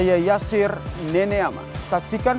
pada saat bap akhir